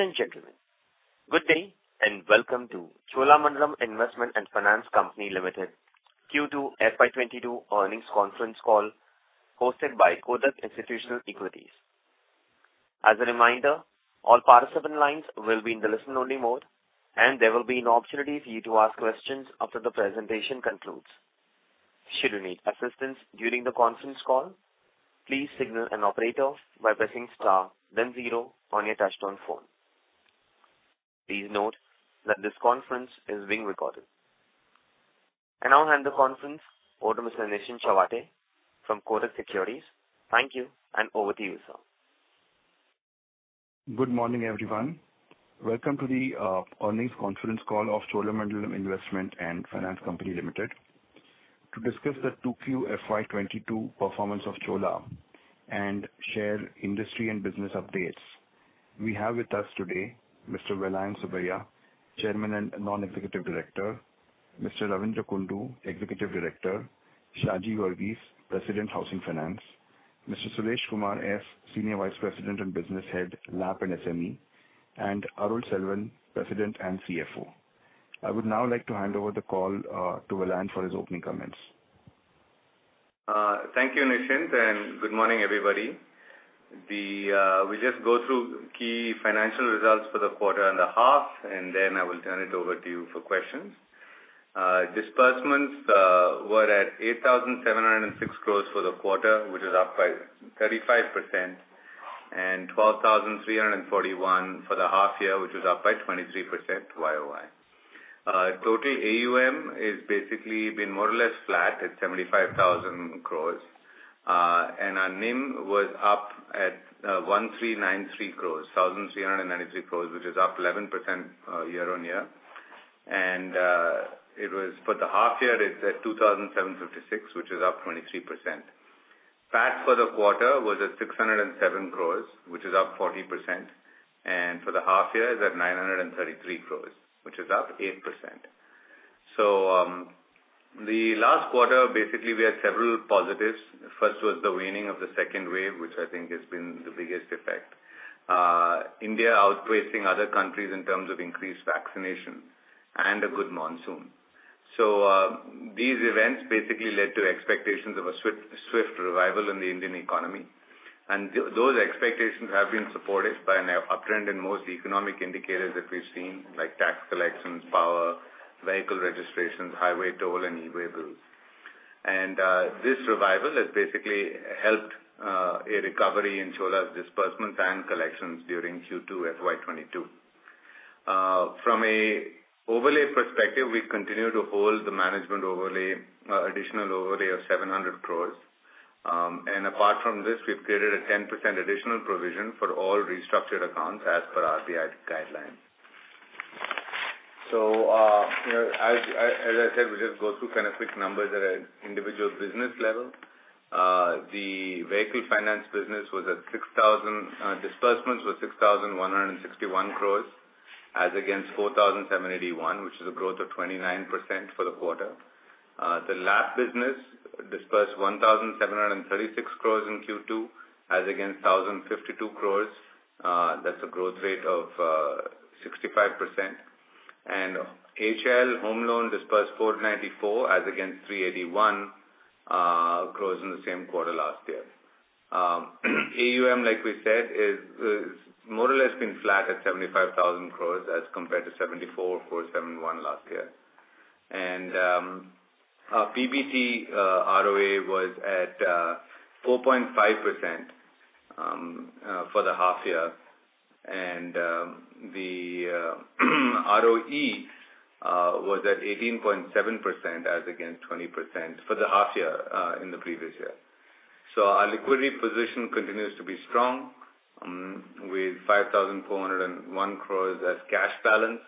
Ladies and gentlemen, good day and welcome to Cholamandalam Investment and Finance Company Ltd Q2 FY 2022 earnings conference call hosted by Kotak Institutional Equities. As a reminder, all participant lines will be in the listen-only mode, and there will be an opportunity for you to ask questions after the presentation concludes. Should you need assistance during the conference call, please signal an operator by pressing star then zero on your touch-tone phone. Please note that this conference is being recorded. I now hand the conference over to Mr. Nischint Chawathe from Kotak Securities. Thank you, and over to you, sir. Good morning, everyone. Welcome to the earnings conference call of Cholamandalam Investment and Finance Company Ltd. To discuss the Q2 FY 2022 performance of Chola and share industry and business updates, we have with us today Mr. Vellayan Subbiah, Chairman and Non-Executive Director. Mr. Ravindra Kundu, Executive Director. Shaji Varghese, President, Housing Finance. Mr. Suresh Kumar S, Senior Vice President and Business Head, LAP and SME, and Arul Selvan, President and CFO. I would now like to hand over the call to Vellayan for his opening comments. Thank you, Nischint, and good morning, everybody. We'll just go through key financial results for the quarter and a half, and then I will turn it over to you for questions. Disbursements were at 8,706 crore for the quarter, which is up by 35% and 12,341 for the half year, which is up by 23% YoY. Total AUM is basically been more or less flat at 75,000 crore. Our NIM was up at 1,393 crore, which is up 11% year-on-year. It was for the half year is at 2,756, which is up 23%. PAT for the quarter was at 607 crore, which is up 40%. For the half year is at 933 crore, which is up 8%. The last quarter, basically, we had several positives. First was the waning of the second wave, which I think has been the biggest effect. India outpacing other countries in terms of increased vaccination and a good monsoon. These events basically led to expectations of a swift revival in the Indian economy. Those expectations have been supported by an uptrend in most economic indicators that we've seen, like tax collections, power, vehicle registrations, highway toll, and e-way bills. This revival has basically helped a recovery in Chola's disbursements and collections during Q2 FY 2022. From an overlay perspective, we continue to hold the management overlay, additional overlay of 700 crore. Apart from this, we've created a 10% additional provision for all restructured accounts as per RBI guidelines. You know, as I said, we'll just go through kind of quick numbers at an individual business level. The vehicle finance business was at 6,000 crore, disbursements was 6,161 crore as against 4,781 crore, which is a growth of 29% for the quarter. The LAP business disbursed 1,736 crore in Q2 as against 1,052 crore. That's a growth rate of 65%. HL home loan disbursed 494 crore as against 381 crore in the same quarter last year. AUM, like we said, is more or less been flat at 75,000 crore as compared to 74,471 crore last year. Our PBT ROA was at 4.5% for the half year. The ROE was at 18.7% as against 20% for the half year in the previous year. Our liquidity position continues to be strong with 5,401 crore as cash balance,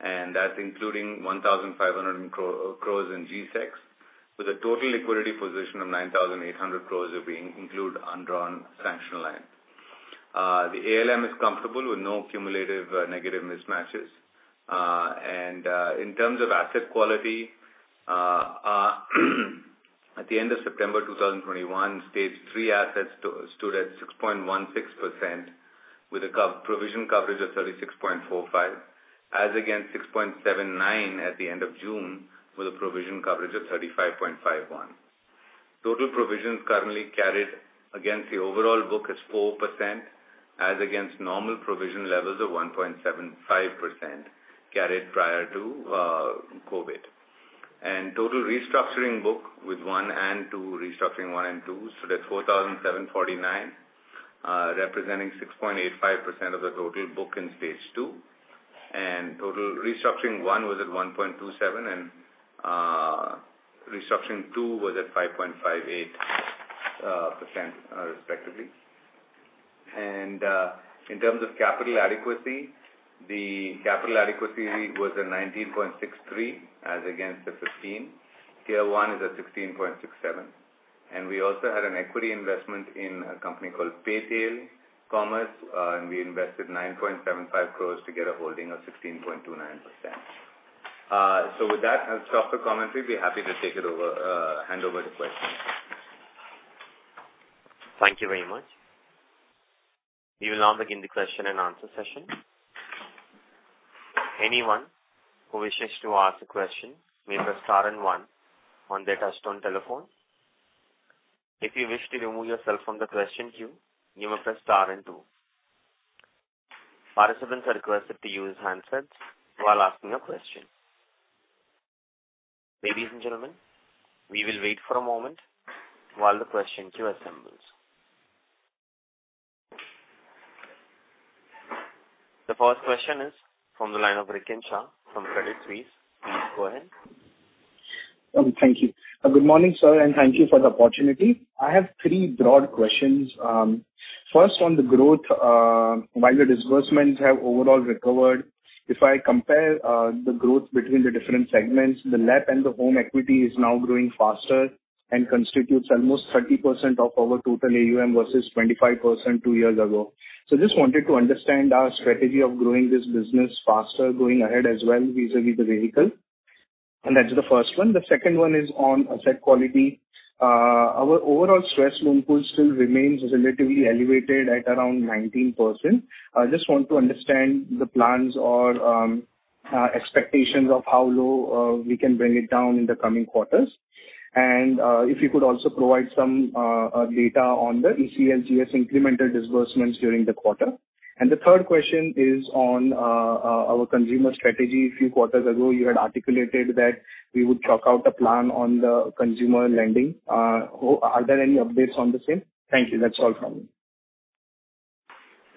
and that's including 1,500 crore in G-Secs, with a total liquidity position of 9,800 crore if we include undrawn sanction line. The ALM is comfortable with no cumulative negative mismatches. In terms of asset quality, at the end of September 2021, Stage 3 assets stood at 6.16% with a provision coverage of 36.45%, as against 6.79% at the end of June with a provision coverage of 35.51%. Total provisions currently carried against the overall book is 4% as against normal provision levels of 1.75% carried prior to COVID. Total restructuring book with one and two, so that's 4,749 crore, representing 6.85% of the total book in Stage 2. Total restructuring one was at 1.27% and restructuring two was at 5.58%, respectively. In terms of capital adequacy, the capital adequacy ratio was at 19.63% as against the 15%. Tier I is at 16.67%. We also had an equity investment in a company called Paytail Commerce, and we invested 9.75 crore to get a holding of 16.29%. With that, I'll stop the commentary. Be happy to take it over, hand over to questions. Thank you very much. We will now begin the question-and-answer session. Anyone who wishes to ask a question may press star and one on their touch-tone telephone. If you wish to remove yourself from the question queue, you may press star and two. Participants are requested to use handsets while asking a question. Ladies and gentlemen, we will wait for a moment while the question queue assembles. The first question is from the line of Rikin Shah from Credit Suisse. Please go ahead. Thank you. Good morning, sir, and thank you for the opportunity. I have three broad questions. First on the growth. While the disbursements have overall recovered, if I compare the growth between the different segments, the LAP and the home equity is now growing faster and constitutes almost 30% of our total AUM versus 25% two years ago. Just wanted to understand our strategy of growing this business faster going ahead as well vis-à-vis the vehicle. That's the first one. The second one is on asset quality. Our overall stressed loan pool still remains relatively elevated at around 19%. I just want to understand the plans or expectations of how low we can bring it down in the coming quarters. If you could also provide some data on the ECLGS incremental disbursements during the quarter. The third question is on our consumer strategy. A few quarters ago you had articulated that we would chalk out a plan on the consumer lending. Are there any updates on the same? Thank you. That's all from me.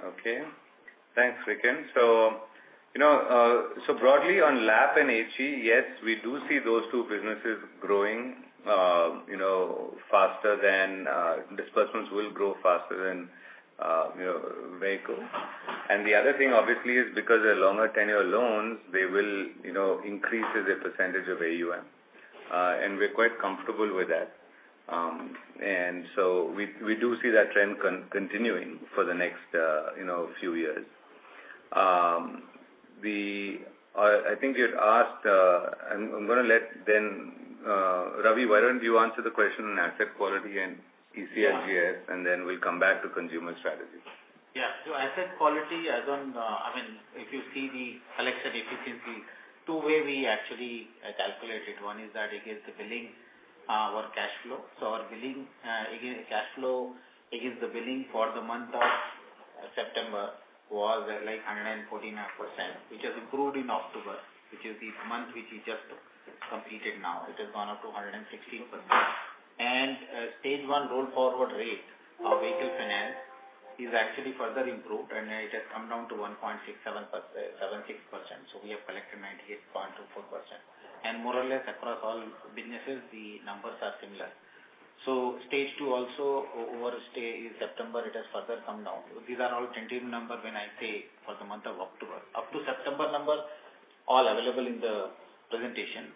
Okay. Thanks, Rikin. You know, so broadly on LAP and HE, yes, we do see those two businesses growing, you know, faster than disbursements will grow faster than, you know, vehicle. The other thing obviously is because they're longer tenure loans, they will, you know, increase as a percentage of AUM. We're quite comfortable with that. We do see that trend continuing for the next, you know, few years. I think you'd asked, I'm gonna let then, Ravi, why don't you answer the question on asset quality and ECLGS, and then we'll come back to consumer strategy. Yeah. Asset quality as on, I mean, if you see the collection efficiency, two ways we actually calculate it. One is against the billing, our cash flow. Our billing, again, cash flow against the billing for the month of September was at, like, 114% odd, which has improved in October, which is this month which we just completed now. It has gone up to 116%. Stage 1 roll forward rate of vehicle finance is actually further improved, and it has come down to 1.67% from 0.76%. We have collected 98.24%. More or less across all businesses the numbers are similar. Stage 2 also overstay in September it has further come down. These are all tentative numbers when I say for the month of October. Up to September numbers, all available in the presentation.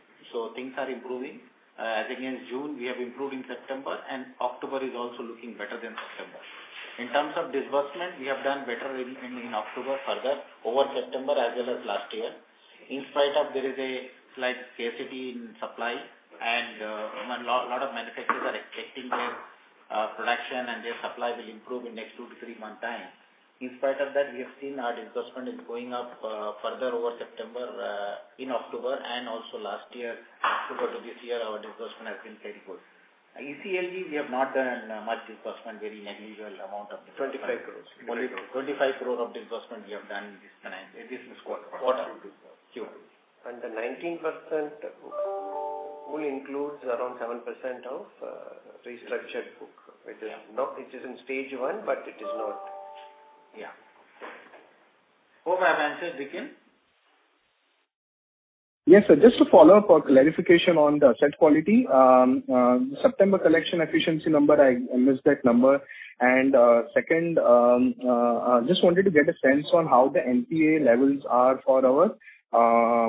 Things are improving. As against June, we have improved in September, and October is also looking better than September. In terms of disbursement, we have done better in October further over September as well as last year. In spite of there is a slight scarcity in supply and lot of manufacturers are expecting their production and their supply will improve in next two to three months time. In spite of that, we have seen our disbursement is going up further over September in October and also last year. October to this year our disbursement has been pretty good. ECLGS, we have not done much disbursement, very negligible amount of disbursement. 25 crore. Only 25 crore of disbursement we have done in this current quarter. Quarter. Q. The 19% pool includes around 7% of restructured book. Yeah. It is in Stage 1, but it is not. Yeah. Hope I've answered, Rikin. Yes, sir. Just to follow up for clarification on the asset quality. September collection efficiency number, I missed that number. Second, I just wanted to get a sense on how the NPA levels are for our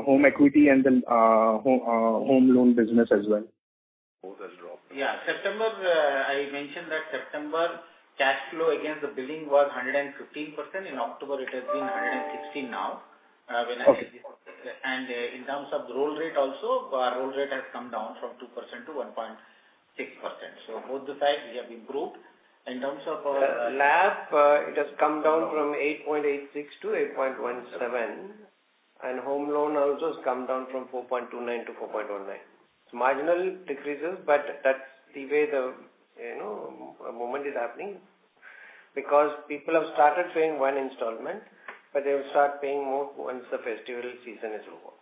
home equity and then home loan business as well. Both has dropped. Yeah. September, I mentioned that September cash flow against the billing was 115%. In October it has been 116% now, when I- Okay. In terms of roll rate also, our roll rate has come down from 2% to 1.6%. Both sides we have improved. In terms of our LAP, it has come down from 8.86% to 8.17%. Home loan also has come down from 4.29% to 4.19%. It's marginal decreases, but that's the way the, you know, momentum is happening because people have started paying one installment, but they will start paying more once the festival season is over.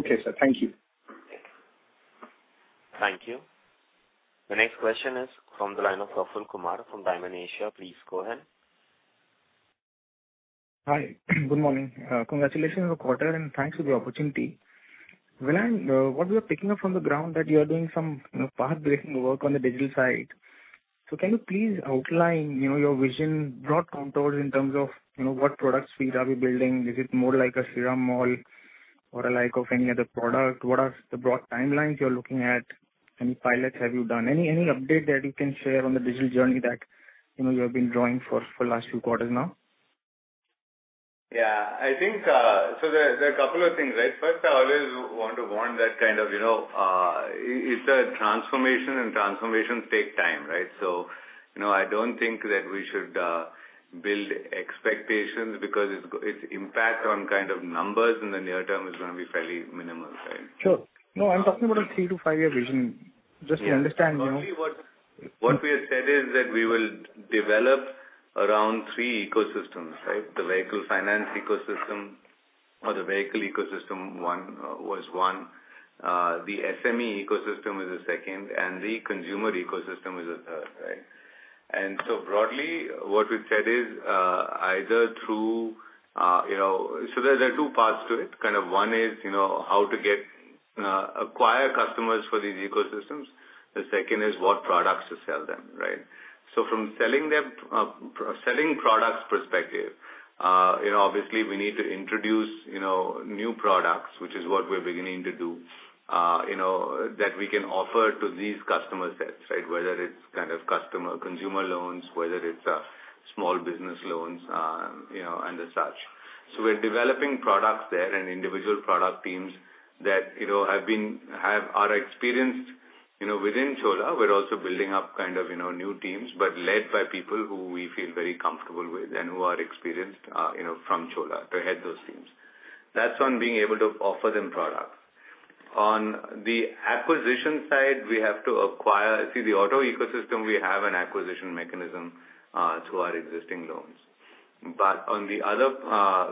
Okay, sir. Thank you. Thank you. Thank you. The next question is from the line of Praful Kumar from Dymon Asia. Please go ahead. Hi. Good morning. Congratulations on the quarter, and thanks for the opportunity. What we are picking up from the ground that you are doing some, you know, pathbreaking work on the digital side. Can you please outline, you know, your vision, broad contours in terms of, you know, what product suite are we building? Is it more like a super app or like any other product? What are the broad timelines you're looking at? Any pilots have you done? Any update that you can share on the digital journey that, you know, you have been drawing for last few quarters now? Yeah, I think there are a couple of things, right? First, I always want to warn that kind of, you know, it's a transformation, and transformations take time, right? You know, I don't think that we should build expectations because its impact on kind of numbers in the near term is gonna be fairly minimal, right? Sure. No, I'm talking about a three-five-year vision. Just to understand, you know. Probably what we have said is that we will develop around three ecosystems, right? The vehicle finance ecosystem or the vehicle ecosystem, one. The SME ecosystem is the second, and the consumer ecosystem is the third, right? Broadly, what we've said is either through you know. There are two parts to it. Kind of one is how to acquire customers for these ecosystems. The second is what products to sell them, right? From selling products perspective, obviously we need to introduce new products, which is what we're beginning to do that we can offer to these customer sets, right? Whether it's kind of consumer loans, whether it's small business loans, and as such. We're developing products there and individual product teams that, you know, are experienced, you know, within Chola. We're also building up kind of, you know, new teams, but led by people who we feel very comfortable with and who are experienced, you know, from Chola to head those teams. That's on being able to offer them products. On the acquisition side, we have to acquire. See the auto ecosystem, we have an acquisition mechanism through our existing loans. But on the other,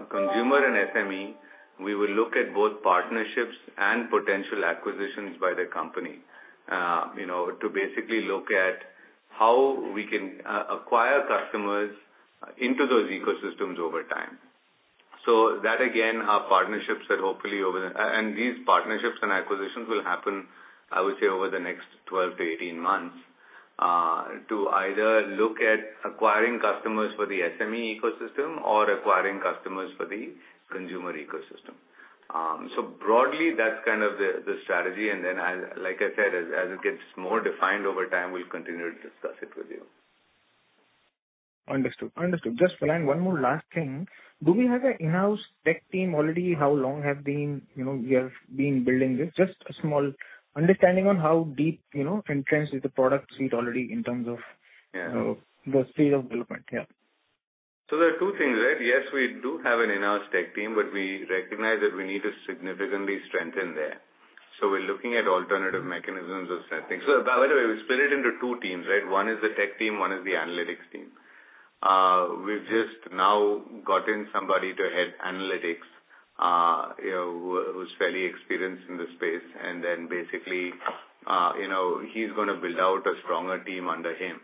consumer and SME, we will look at both partnerships and potential acquisitions by the company, you know, to basically look at how we can acquire customers into those ecosystems over time. That, again, are partnerships that hopefully over the These partnerships and acquisitions will happen, I would say, over the next 12-18 months, to either look at acquiring customers for the SME ecosystem or acquiring customers for the consumer ecosystem. Broadly, that's kind of the strategy. Like I said, as it gets more defined over time, we'll continue to discuss it with you. Understood. Just one more last thing. Do we have an in-house tech team already? You know, we have been building this? Just a small understanding on how deep, you know, entrenched is the product suite already in terms of. Yeah. The speed of development. Yeah. There are two things, right? Yes, we do have an in-house tech team, but we recognize that we need to significantly strengthen there. We're looking at alternative mechanisms of sourcing. By the way, we split it into two teams, right? One is the tech team, one is the analytics team. We've just now gotten somebody to head analytics, you know, who's fairly experienced in the space. Then basically, you know, he's gonna build out a stronger team under him.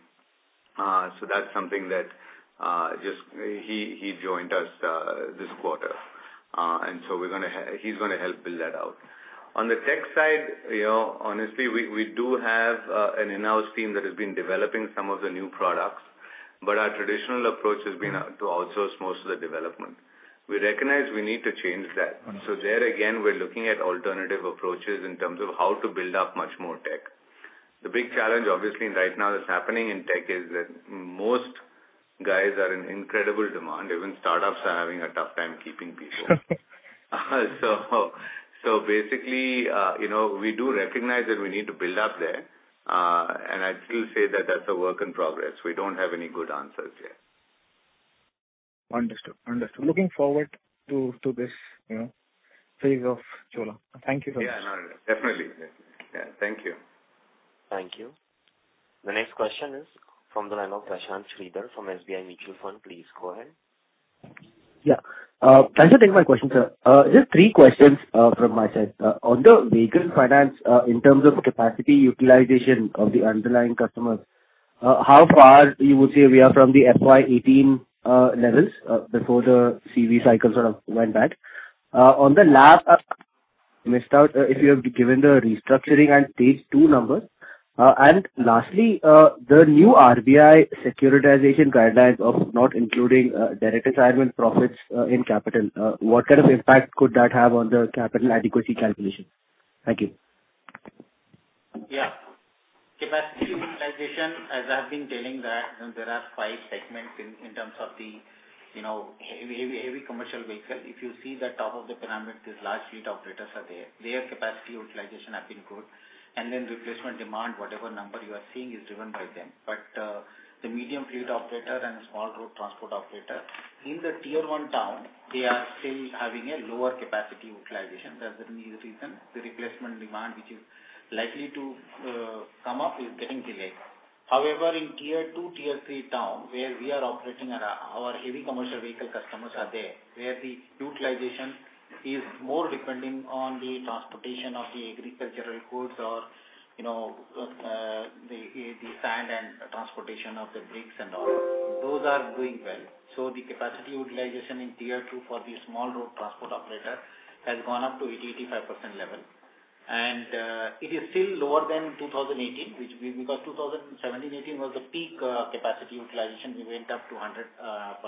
That's something that he just joined us this quarter. He's gonna help build that out. On the tech side, you know, honestly, we do have an in-house team that has been developing some of the new products, but our traditional approach has been to outsource most of the development. We recognize we need to change that. Mm-hmm. There again, we're looking at alternative approaches in terms of how to build up much more tech. The big challenge obviously, and right now that's happening in tech, is that most guys are in incredible demand. Even startups are having a tough time keeping people. Basically, you know, we do recognize that we need to build up there. I'd still say that that's a work in progress. We don't have any good answers yet. Understood. Looking forward to this, you know, phase of Chola. Thank you so much. Yeah, no, definitely. Yeah. Thank you. Thank you. The next question is from the line of Prashanth Sridhar from SBI MUTUAL FUND. Please go ahead. Yeah. Thank you for taking my question, sir. Just three questions from my side. On the vehicle finance, in terms of capacity utilization of the underlying customers, how far you would say we are from the FY 2018 levels, before the CV cycles sort of went bad? On the LAP, missed out, if you have given the restructuring and Stage 2 numbers. And lastly, the new RBI securitization guidelines of not including direct assignment profits in capital, what kind of impact could that have on the capital adequacy calculation? Thank you. Yeah. Capacity utilization, as I've been telling that there are five segments in terms of the, you know, heavy commercial vehicle. If you see the top of the pyramid, these large fleet operators are there. Their capacity utilization have been good. Then replacement demand, whatever number you are seeing is driven by them. The medium fleet operator and small road transport operator, in the Tier I town, they are still having a lower capacity utilization. That's the main reason the replacement demand, which is likely to come up, is getting delayed. However, in Tier II, Tier III town where we are operating around our heavy commercial vehicle customers are there, where the utilization is more depending on the transportation of the agricultural goods or, you know, the sand and transportation of the bricks and all, those are doing well. The capacity utilization in Tier II for the small road transport operator has gone up to 80%-85% level. It is still lower than in 2018, which, because 2017-2018 was the peak capacity utilization. We went up to 100%.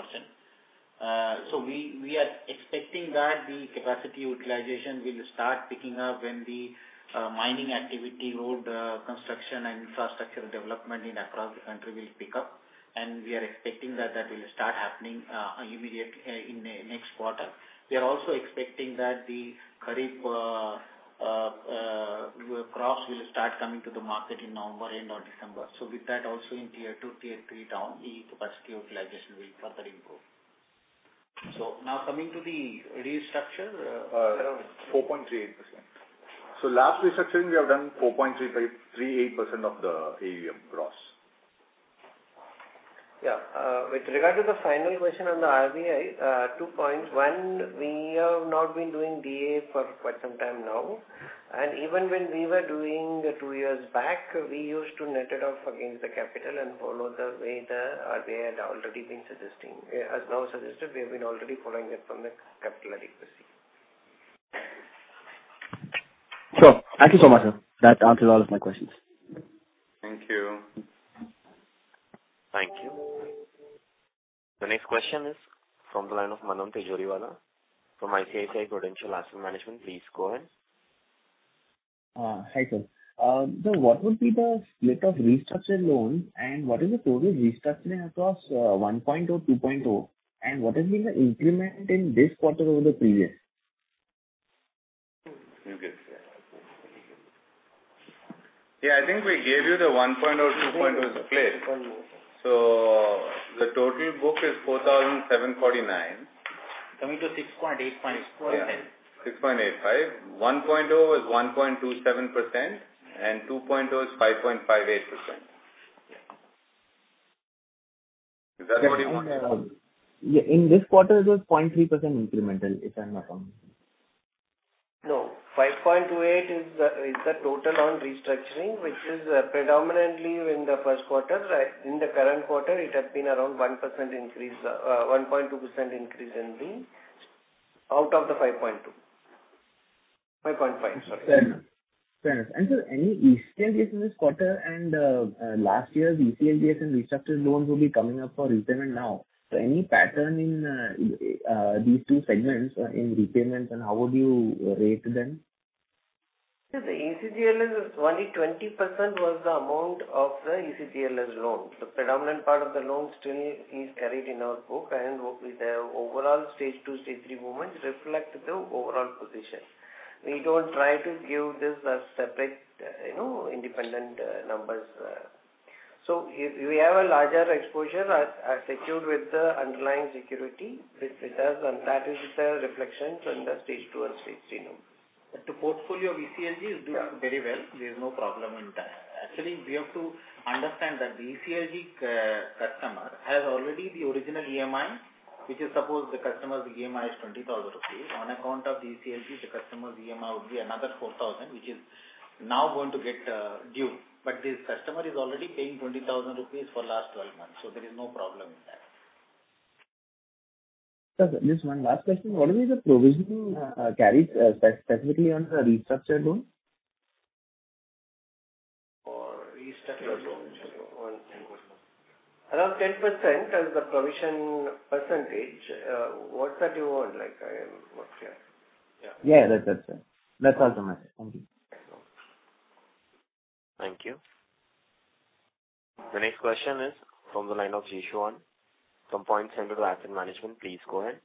We are expecting that the capacity utilization will start picking up when the mining activity, road construction and infrastructure development in and across the country will pick up. We are expecting that will start happening immediately in the next quarter. We are also expecting that the current crops will start coming to the market in November, end of December. With that also in Tier II, Tier III down, the capacity utilization will further improve. Now coming to the restructure. 4.38%. Last restructuring we have done 4.38% of the AUM gross. Yeah. With regard to the final question on the RBI, two points. One, we have not been doing DA for quite some time now. Even when we were doing two years back, we used to net it off against the capital and follow the way the RBI had already been suggesting. As now suggested, we have been already following it from the capital adequacy. Thank you so much, sir. That answers all of my questions. Thank you. Thank you. The next question is from the line of Manan Tijoriwala from ICICI Prudential Asset Management. Please go ahead. Hi, sir. So what would be the split of restructured loan and what is the total restructuring across 1.0 ad 2.0? What has been the increment in this quarter over the previous? Yeah, I think we gave you the 1.0, 2.0 split. The total book is 4,749 crores. Coming to 6.85%. Yeah. 6.85%. 1.0 is 1.27% and 2.0 is 5.58%. Is that what you wanted? Yeah. In this quarter it was 0.3% incremental, if I'm not wrong. No, 5.28% is the total on restructuring, which is predominantly in the first quarter. In the current quarter it has been 1.2% increase out of the 5.2%. 5.5%, sorry. Fair enough. Any ECLGS this quarter and last year's ECLGS and restructured loans will be coming up for repayment now. Any pattern in these two segments in repayments and how would you rate them? The ECLGS is only 20% of the amount of the ECLGS loan. The predominant part of the loan still is carried in our book and with the overall Stage 2, Stage 3 movement reflect the overall position. We don't try to give this as separate, you know, independent numbers. If we have a larger exposure as secured with the underlying security, which it has, and that is the reflection from the Stage 2 and Stage 3 loan. The portfolio of ECLGS is doing very well. There is no problem in that. Actually, we have to understand that the ECLGS customer has already the original EMI, which is supposed the customer's EMI is 20,000 rupees. On account of ECLGS, the customer's EMI would be another 4,000, which is now going to get due. This customer is already paying 20,000 rupees for last 12 months, so there is no problem in that. Sir, just one last question. What is the provisioning carried specifically on the restructured loan? For restructured loans. Around 10% as the provision percentage. What's that you want? Like, I am not clear. Yeah. That's it, sir. That's all, sir. Thank you. Thank you. The next question is from the line of Zhiwei Zhang from Pinpoint Asset Management. Please go ahead.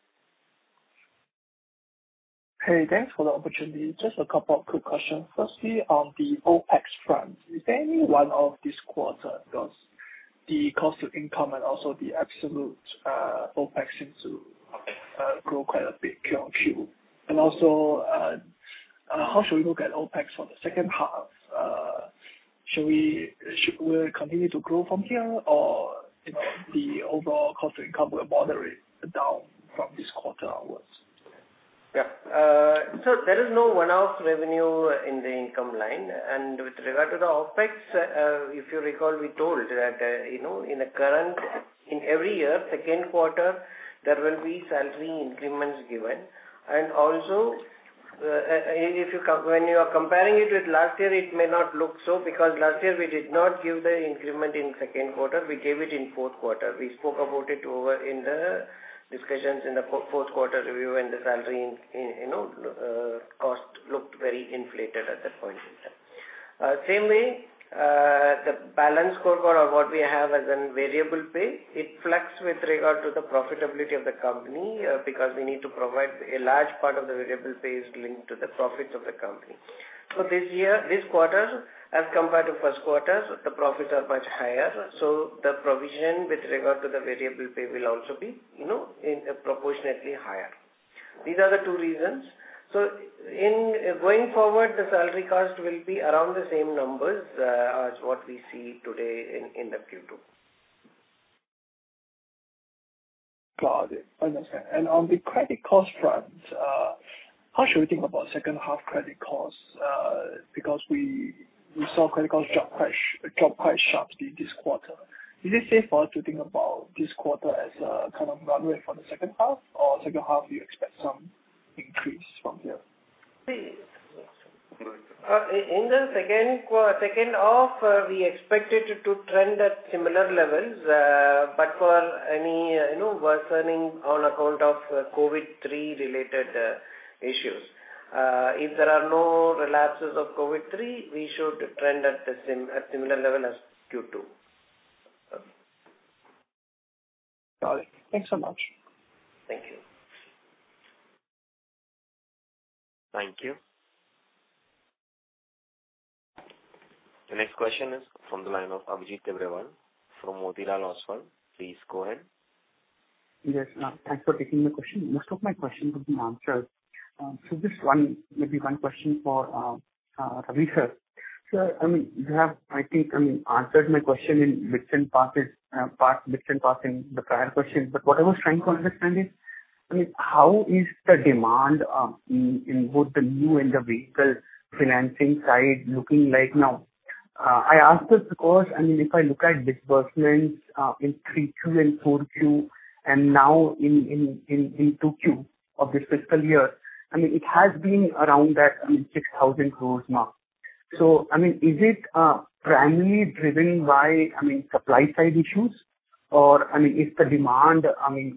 Hey, thanks for the opportunity. Just a couple of quick questions. Firstly, on the OpEx front, is there any one-off this quarter? Because the cost to income and also the absolute OpEx seems to grow quite a bit QoQ. Also, how should we look at OpEx for the second half? Should we continue to grow from here or, you know, the overall cost to income will bring it down from this quarter onwards? Yeah. So there is no one-off revenue in the income line. With regard to the OpEx, if you recall, we told that, you know, in every year, second quarter, there will be salary increments given. Also, when you are comparing it with last year, it may not look so because last year we did not give the increment in second quarter, we gave it in fourth quarter. We spoke about it in the discussions in the fourth quarter review and the salary cost looked very inflated at that point in time. Same way, the balanced scorecard or what we have as in variable pay, it flexes with regard to the profitability of the company, because we need to provide a large part of the variable pay is linked to the profits of the company. This year, this quarter, as compared to first quarter, the profits are much higher. The provision with regard to the variable pay will also be, you know, proportionately higher. These are the two reasons. Going forward, the salary cost will be around the same numbers as what we see today in the Q2. Got it. Understand. On the credit cost front, how should we think about second half credit costs? Because we saw credit costs drop quite sharply this quarter. Is it safe for us to think about this quarter as a kind of runway for the second half or second half you expect some increase from here? In the second half, we expect it to trend at similar levels, but for any, you know, worsening on account of COVID-19 related issues. If there are no relapses of COVID-19, we should trend at the similar level as Q2. Got it. Thanks so much. Thank you. Thank you. The next question is from the line of Abhijit Tibrewal from Motilal Oswal. Please go ahead. Yes. Thanks for taking the question. Most of my questions have been answered. So just one, maybe one question for Ravi, sir. Sir, I mean, you have, I think, I mean, answered my question in bits and parts in the prior questions. But what I was trying to understand is, I mean, how is the demand in both the new and the vehicle financing side looking like now? I ask this because, I mean, if I look at disbursements in 3Q and 4Q, and now in 2Q of this fiscal year, I mean, it has been around that 6,000 crore mark. So, I mean, is it primarily driven by supply side issues or is the demand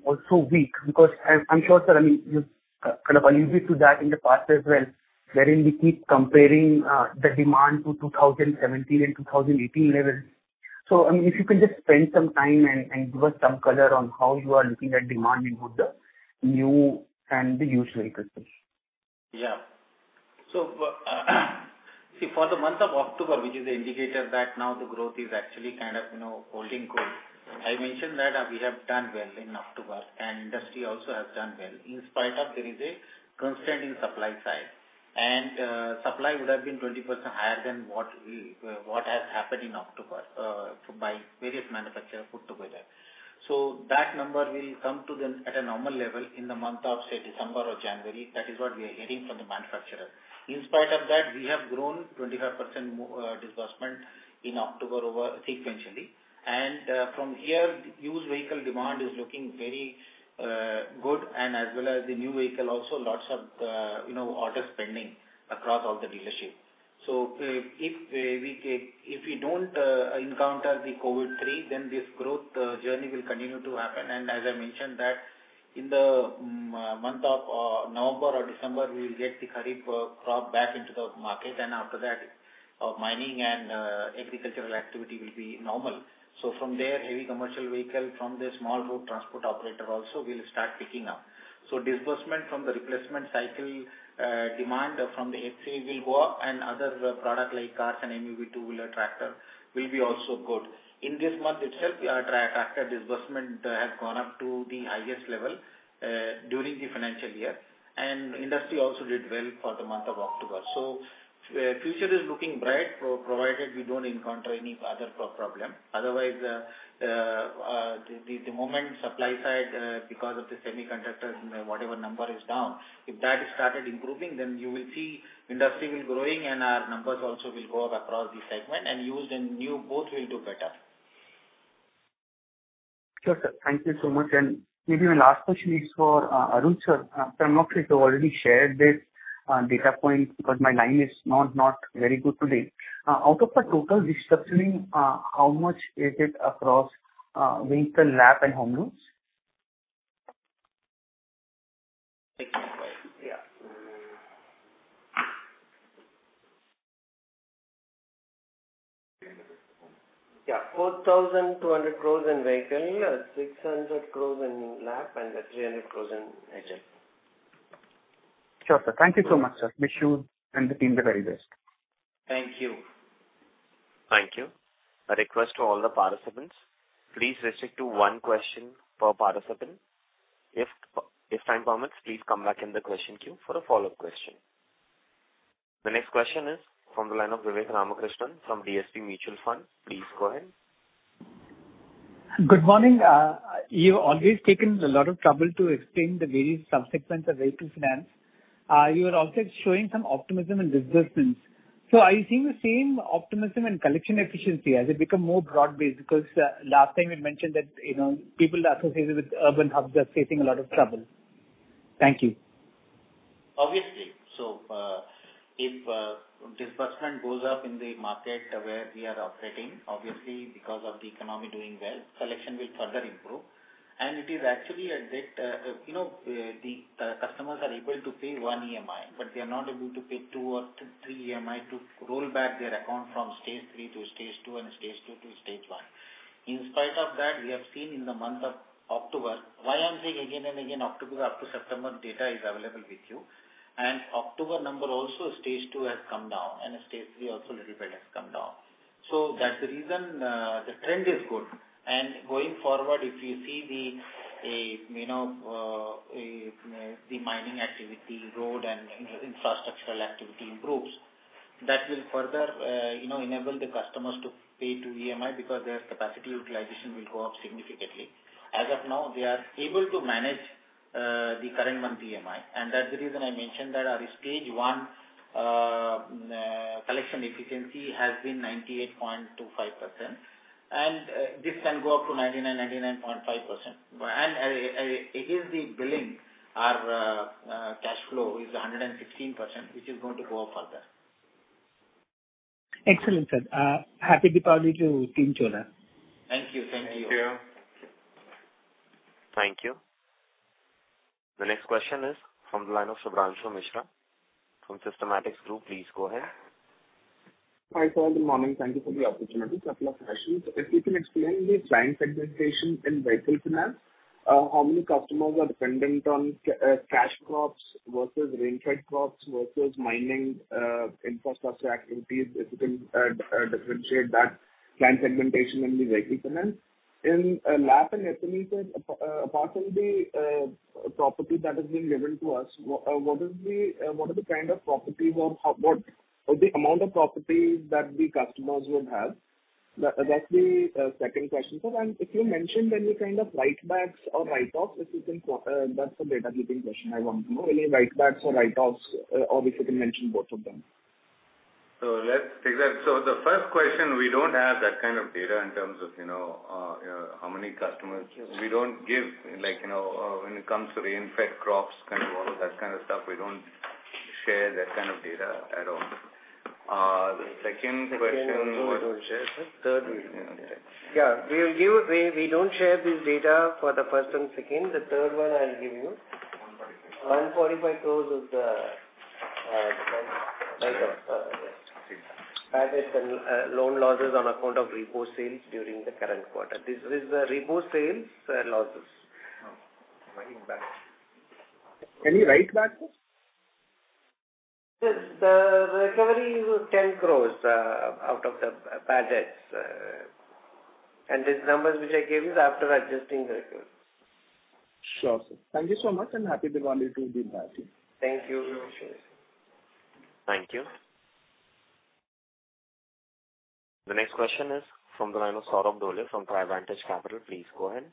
also weak? Because I'm sure, sir, I mean, you kind of alluded to that in the past as well, wherein we keep comparing the demand to 2017 and 2018 levels. I mean, if you can just spend some time and give us some color on how you are looking at demand in both the new and the used vehicles. See, for the month of October, which is an indicator that now the growth is actually kind of, you know, holding good. I mentioned that we have done well in October and industry also has done well in spite of there is a constraint in supply side. Supply would have been 20% higher than what has happened in October, so by various manufacturers put together. That number will come to a normal level in the month of, say, December or January. That is what we are hearing from the manufacturer. In spite of that, we have grown 25% in disbursement in October sequentially. From here, used vehicle demand is looking very good and as well as the new vehicle also lots of you know orders pending across all the dealerships. If we don't encounter the COVID-19, then this growth journey will continue to happen. As I mentioned that in the month of November or December, we will get the kharif crop back into the market and after that, mining and agricultural activity will be normal. From there, heavy commercial vehicle from the small road transport operator also will start picking up. Disbursement from the replacement cycle demand from the HCV will go up and other product like cars and MUV, two-wheeler, tractor will be also good. In this month itself, our tractor disbursement has gone up to the highest level during the financial year, and industry also did well for the month of October. Future is looking bright provided we don't encounter any other problem. Otherwise, the moment supply side, because of the semiconductors and whatever number is down, if that started improving, then you will see industry will growing and our numbers also will go up across the segment and used and new both will do better. Sure, sir. Thank you so much. Maybe my last question is for Arul, sir. Perhaps you have already shared this data point because my line is not very good today. Out of the total disbursement, how much is it across vehicle, LAP and home loans? Yeah, 4,200 crore in vehicle, 600 crore in LAP and 300 crore in HL. Sure, sir. Thank you so much, sir. Wish you and the team the very best. Thank you. Thank you. A request to all the participants. Please restrict to one question per participant. If time permits, please come back in the question queue for a follow-up question. The next question is from the line of Vivek Ramakrishnan from DSP Mutual Fund. Please go ahead. Good morning. You've always taken a lot of trouble to explain the various segments of vehicle finance. You are also showing some optimism in disbursements. Are you seeing the same optimism in collection efficiency? Has it become more broad-based? Because last time you'd mentioned that, you know, people associated with urban hubs are facing a lot of trouble. Thank you. Obviously. If disbursement goes up in the market where we are operating, obviously because of the economy doing well, collection will further improve. It is actually at that, you know, the customers are able to pay one EMI, but they are not able to pay two or three EMI to roll back their account from Stage 3 to Stage 2 and Stage 2 to Stage 1. In spite of that, we have seen in the month of October. Why I'm saying again and again October, up to September data is available with you. October number also Stage 2 has come down and Stage 3 also little bit has come down. That's the reason, the trend is good. Going forward, if you see the mining activity, road and infrastructure activity improves, that will further, you know, enable the customers to pay their EMI because their capacity utilization will go up significantly. As of now, they are able to manage the current month EMI, and that's the reason I mentioned that our Stage 1 collection efficiency has been 98.25%. This can go up to 99.5%. Against the billing, our cash flow is 116%, which is going to go up further. Excellent, sir. Happy Diwali to Team Chola. Thank you. Thank you. Thank you. The next question is from the line of Shubhranshu Mishra from Systematix Group. Please go ahead. Hi, sir. Good morning. Thank you for the opportunity. Couple of questions. If you can explain the client segmentation in vehicle finance, how many customers are dependent on cash crops versus rainfed crops versus mining, infrastructure activities, if you can differentiate that client segmentation in the vehicle finance. In LAP and SME, sir, apart from the property that is being given to us, what are the kind of property or what the amount of property that the customers would have? That's the second question, sir. If you mentioned any kind of write-backs or write-offs, if you can clarify, that's a bookkeeping question I want to know. Any write-backs or write-offs, or if you can mention both of them. Let's take that. The first question, we don't have that kind of data in terms of, you know, how many customers. We don't give, like, you know, when it comes to rainfed crops kind of all of that kind of stuff, we don't share that kind of data at all. The second question Second, third we will share. Yeah. We will give it. We don't share this data for the first and second. The third one I'll give you. 145 crore is the write-off. Bad debts and loan losses on account of repo sales during the current quarter. This is the repo sales losses. Writing back. Any write-backs, sir? Yes. The recovery was 10 crore out of the bad debts. These numbers which I gave is after adjusting the recovery. Sure, sir. Thank you so much, and happy Diwali to the entire team. Thank you. Thank you. Thank you. The next question is from the line of Saurabh Dole from Trivantage Capital. Please go ahead.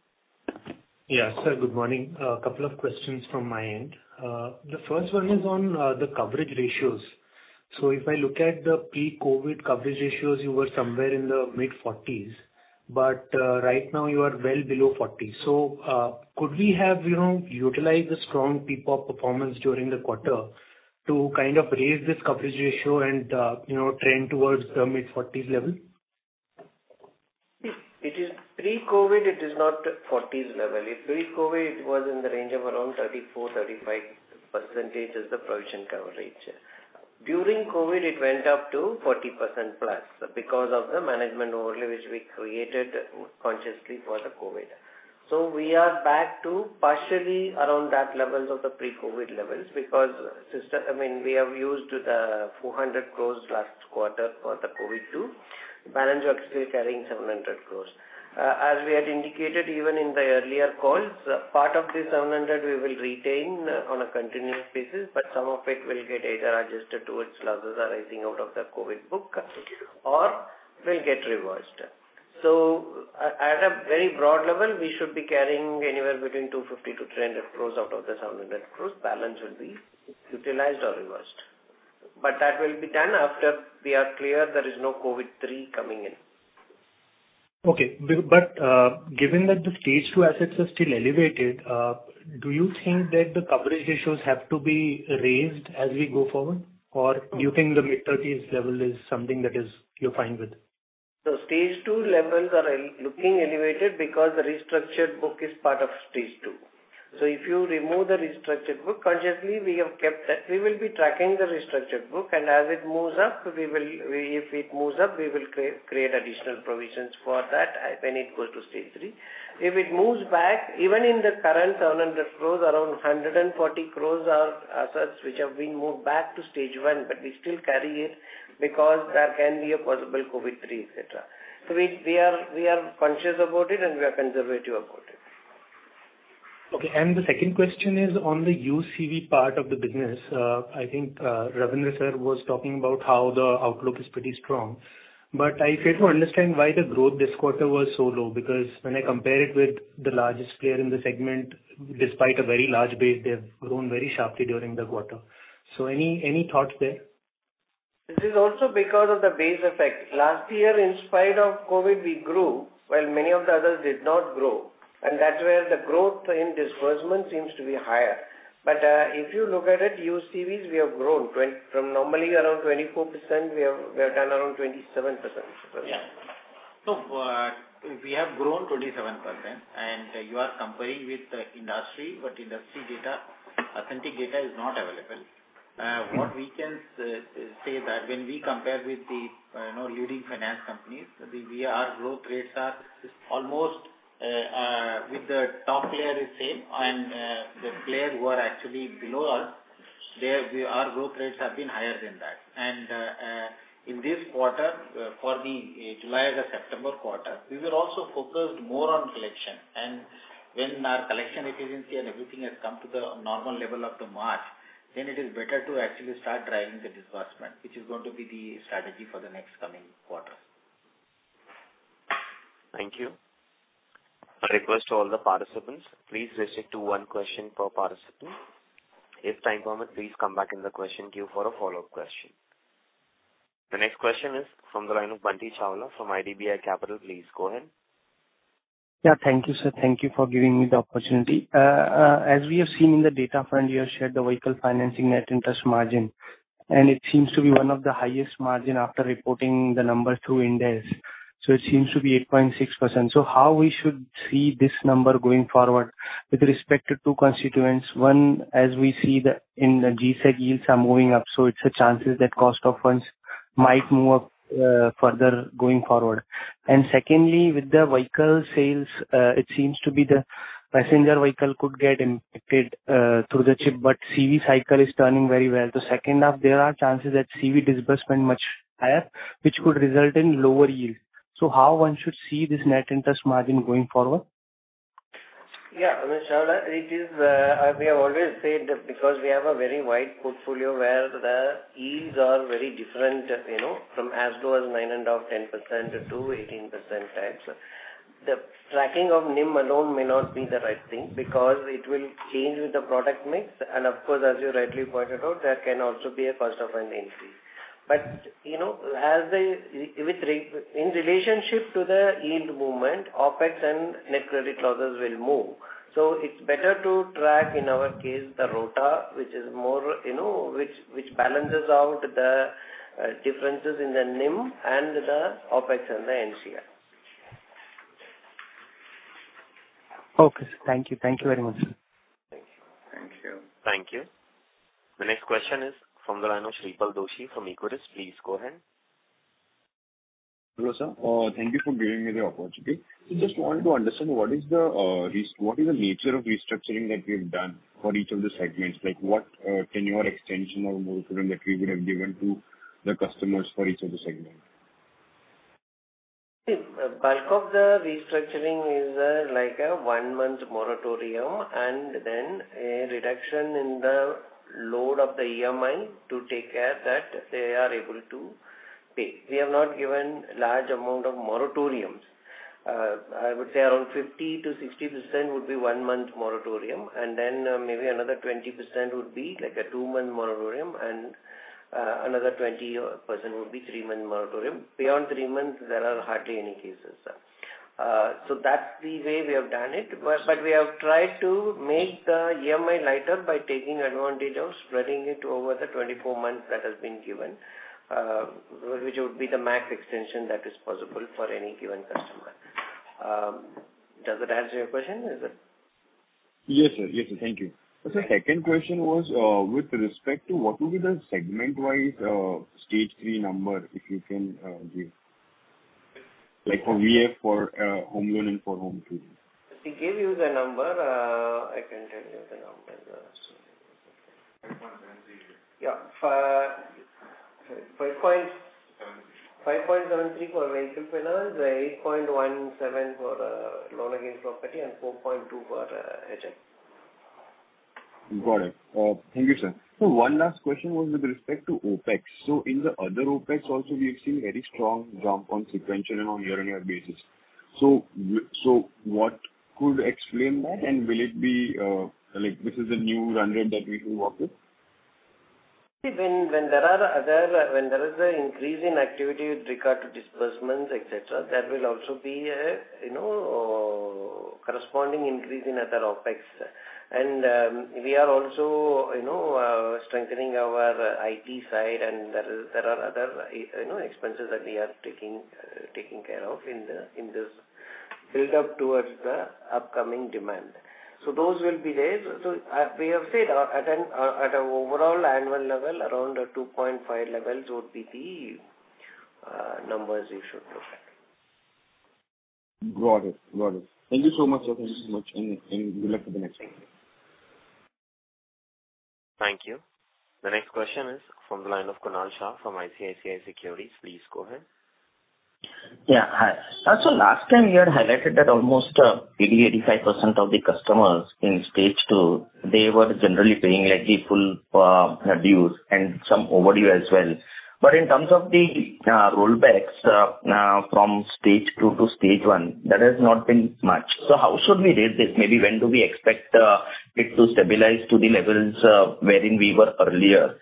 Yeah. Sir, good morning. A couple of questions from my end. The first one is on the coverage ratios. If I look at the pre-COVID coverage ratios, you were somewhere in the mid-40%s. Right now you are well below 40%. Could we have, you know, utilized the strong profit performance during the quarter to kind of raise this coverage ratio and, you know, trend towards the mid-40%s level? It is pre-COVID, it is not forties level. Pre-COVID, it was in the range of around 34%-35% is the provision coverage. During COVID, it went up to 40%+ because of the management overlay which we created consciously for the COVID. We are back to partially around that levels of the pre-COVID levels because, I mean, we have used the 400 crore last quarter for the COVID too. Balance sheet is carrying 700 crore. As we had indicated even in the earlier calls, part of this 700 crore we will retain on a continuous basis, but some of it will get either adjusted towards losses arising out of the COVID book or will get reversed. At a very broad level, we should be carrying anywhere between 250 crore-300 crore out of the 700 crore. Balance will be utilized or reversed. That will be done after we are clear there is no COVID-19 coming in. Okay. Given that the Stage 2 assets are still elevated, do you think that the coverage ratios have to be raised as we go forward? Or do you think the mid-30s level is something that you're fine with? Stage 2 levels are looking elevated because the restructured book is part of Stage 2. If you remove the restructured book, consciously we have kept that. We will be tracking the restructured book and as it moves up, we will create additional provisions for that when it goes to Stage 3. If it moves back, even in the current 700 crore, around 140 crore are assets which have been moved back to Stage 1, but we still carry it because there can be a possible COVID-19, etc. We are conscious about it and we are conservative about it. Okay. The second question is on the UCV part of the business. I think Ravindra, sir, was talking about how the outlook is pretty strong. I fail to understand why the growth this quarter was so low, because when I compare it with the largest player in the segment, despite a very large base, they have grown very sharply during the quarter. Any thoughts there? This is also because of the base effect. Last year, in spite of COVID, we grew, while many of the others did not grow. That's where the growth in disbursement seems to be higher. If you look at it, UCVs we have grown. From normally around 24%, we have done around 27%. Yeah. We have grown 27% and you are comparing with the industry, but industry data, authentic data is not available. What we can say is that when we compare with the you know, leading finance companies, we, our growth rates are almost with the top player is same and the player who are actually below us, we, our growth rates have been higher than that. In this quarter, for the July to September quarter, we were also focused more on collection. When our collection efficiency and everything has come to the normal level of the March, then it is better to actually start driving the disbursement, which is going to be the strategy for the next coming quarters. Thank you. A request to all the participants. Please restrict to one question per participant. If time permits, please come back in the question queue for a follow-up question. The next question is from the line of Bunty Chawla from IDBI Capital. Please go ahead. Yeah. Thank you, sir. Thank you for giving me the opportunity. As we have seen in the data front, you have shared the vehicle financing net interest margin. It seems to be one of the highest margin after reporting the number through Ind AS. It seems to be 8.6%. How we should see this number going forward with respect to two constituents. One, as we see in the G-Sec yields are moving up, so there's a chance that cost of funds might move further going forward. Secondly, with the vehicle sales, it seems to be the passenger vehicle could get impacted through the chip, but CV cycle is turning very well. The second half there are chances that CV disbursement much higher, which could result in lower yield. How one should see this net interest margin going forward? Yeah. Mr. Chawla, it is, we have always said because we have a very wide portfolio where the yields are very different, you know, from as low as 9.5%-10% to 18% types. The tracking of NIM alone may not be the right thing because it will change with the product mix. Of course, as you rightly pointed out, there can also be a cost increase. You know, as a direct relationship to the yield movement, OpEx and net credit losses will move. It's better to track, in our case, the ROTA, which is more, you know, which balances out the differences in the NIM and the OpEx and the NCI. Okay, sir. Thank you. Thank you very much, sir. Thank you. Thank you. The next question is from the line of Shreepal Doshi from Equirus. Please go ahead. Hello, sir. Thank you for giving me the opportunity. I just want to understand what is the nature of restructuring that we have done for each of the segments? Like, what, tenure extension or moratorium that we would have given to the customers for each of the segment? Bulk of the restructuring is like a one-month moratorium, and then a reduction in the loan of the EMI to take care that they are able to pay. We have not given large amount of moratoriums. I would say around 50%-60% would be one-month moratorium, and then maybe another 20% would be like a two-month moratorium, and another 20% would be three-month moratorium. Beyond three months, there are hardly any cases. So that's the way we have done it. We have tried to make the EMI lighter by taking advantage of spreading it over the 24 months that has been given, which would be the max extension that is possible for any given customer. Does it answer your question? Is it? Yes, sir. Thank you. The second question was with respect to what will be the segment-wise Stage 3 number, if you can give. Like for VF, for home loan and for home To give you the number, I can tell you the number. 5.73%. Yeah. 5 point 73. 5.73% for vehicle finance, 8.17% for loan against property and 4.2% for HF. Got it. Thank you, sir. One last question was with respect to OpEx. In the other OpEx also we have seen very strong jump on sequential and on year-on-year basis. What could explain that and will it be like this is a new run rate that we should work with? When there is an increase in activity with regard to disbursements, et cetera, there will also be a, you know, corresponding increase in other OpEx. We are also, you know, strengthening our IT side and there are other, you know, expenses that we are taking care of in this build-up towards the upcoming demand. Those will be there. We have said at an overall annual level, around 2.5% levels would be the numbers you should look at. Got it. Thank you so much, and good luck with the next one. Thank you. Thank you. The next question is from the line of Kunal Shah from ICICI Securities. Please go ahead. Yeah. Hi. Sir, last time you had highlighted that almost 80%-85% of the customers in Stage 2, they were generally paying like the full dues and some overdue as well. In terms of the rollbacks from Stage 2 to Stage 1, that has not been much. How should we read this? Maybe when do we expect it to stabilize to the levels wherein we were earlier?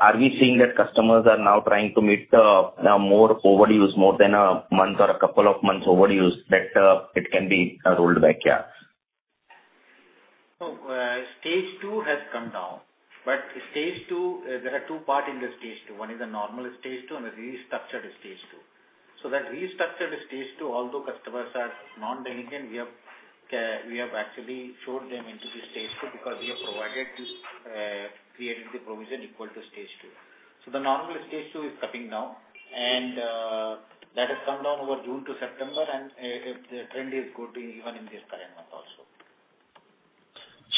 Are we seeing that customers are now trying to meet more overdues more than a month or a couple of months overdues that it can be rolled back, yeah. Stage 2 has come down, but Stage 2, there are two parts in the Stage 2. One is a normal Stage 2 and a restructured Stage 2. That restructured Stage 2, although customers are non-delinquent, we have actually shoved them into the Stage 2 because we have created the provision equal to Stage 2. The normal Stage 2 is coming down now, and that has come down over June to September. The trend is good even in this current month also.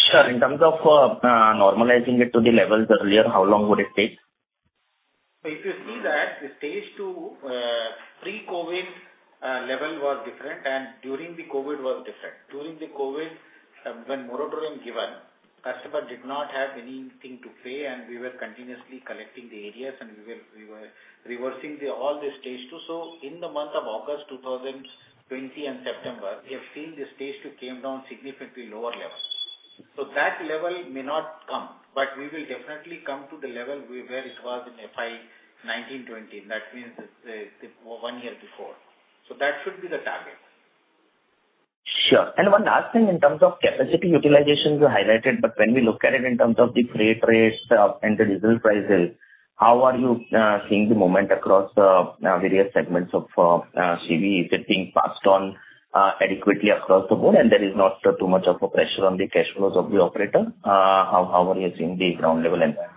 Sure. In terms of normalizing it to the levels earlier, how long would it take? If you see that the Stage 2, pre-COVID, level was different and during the COVID was different. During the COVID, when moratorium given, customer did not have anything to pay, and we were continuously collecting the arrears, and we were reversing all the Stage 2. In the month of August 2020 and September, we have seen the Stage 2 came down significantly lower level. That level may not come, but we will definitely come to the level where it was in FY 2019-2020. That means the one year before. That should be the target. Sure. One last thing in terms of capacity utilization you highlighted, but when we look at it in terms of the freight rates, and the diesel prices, how are you seeing the movement across various segments of CV? Is it being passed on adequately across the board, and there is not too much of a pressure on the cash flows of the operator? How are you seeing the ground level environment?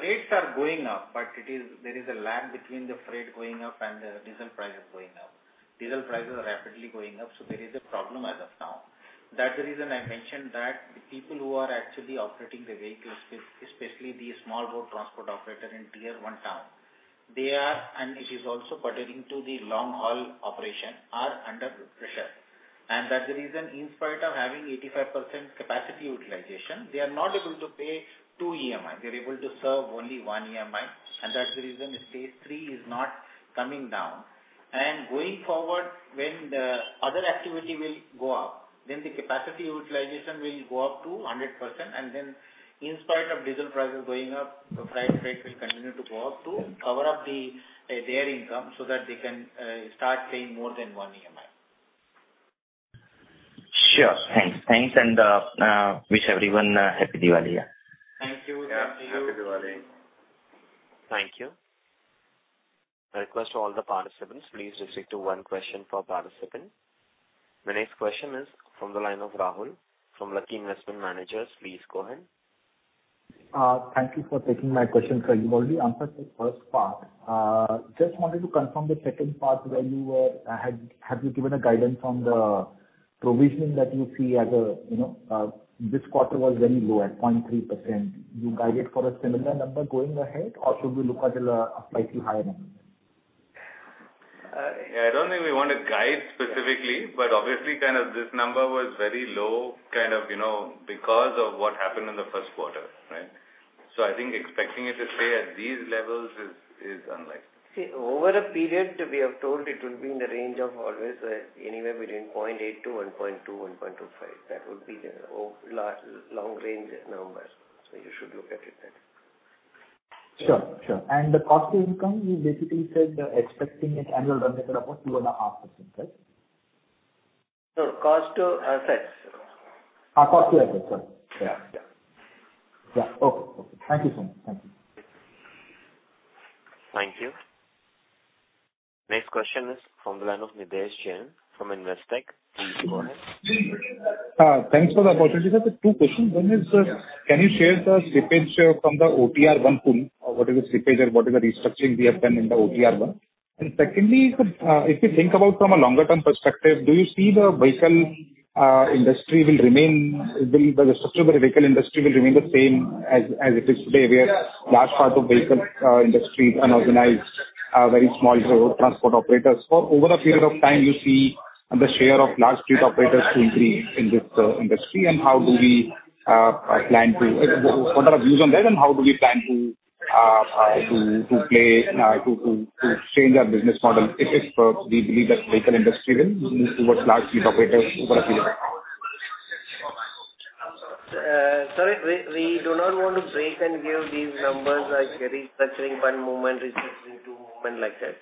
Rates are going up, but there is a lag between the freight going up and the diesel prices going up. Diesel prices are rapidly going up, so there is a problem as of now. That's the reason I mentioned that the people who are actually operating the vehicles, especially the small road transport operator in Tier I town, they are under pressure. It is also pertaining to the long-haul operation. That's the reason, in spite of having 85% capacity utilization, they are not able to pay two EMI. They're able to serve only one EMI, and that's the reason Stage 3 is not coming down. Going forward, when the other activity will go up, then the capacity utilization will go up to 100%. In spite of diesel prices going up, the freight rate will continue to go up to cover up their income so that they can start paying more than one EMI. Sure. Thanks, and wish everyone a happy Diwali. Thank you. Same to you. Yeah, happy Diwali. Thank you. I request all the participants, please restrict to one question per participant. The next question is from the line of Rahul from Lucky Investment Managers. Please go ahead. Thank you for taking my question, sir. You've already answered the first part. Just wanted to confirm the second part where you had given a guidance on the provisioning that you see as a, you know, this quarter was very low at 0.3%. You guided for a similar number going ahead, or should we look at a slightly higher number? I don't think we want to guide specifically, but obviously kind of this number was very low, kind of, you know, because of what happened in the first quarter, right? I think expecting it to stay at these levels is unlikely. See, over a period, we have told it will be in the range of always, anywhere between 0.8% to 1.2%, 1.25%. That would be the overall long-range numbers. You should look at it that way. Sure, sure. The cost to income, you basically said, expecting its annual run rate of about 2.5%, right? No, cost to assets. Cost to assets. Sorry. Yeah. Okay. Thank you, sir. Thank you. Thank you. Next question is from the line of Nidhesh Jain from Investec. Please go ahead. Thanks for the opportunity, sir. Two questions. One is, can you share the slippage from the OTR1 pool, or what is the slippage and what is the restructuring we have done in the OTR1? Secondly, sir, if you think about from a longer term perspective, do you see the vehicle industry will remain the same as it is today, where large parts of the vehicle industry is unorganized, very small road transport operators? Over a period of time, you see the share of large fleet operators to increase in this industry and how do we plan to... What are our views on that and how do we plan to play to change our business model if, as we believe, the vehicle industry will move towards large fleet operators over a period of time? Sorry, we do not want to break and give these numbers as restructuring one movement, restructuring two movement like that.